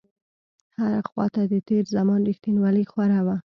هره خواته د تېر زمان رښتينولۍ خوره وه.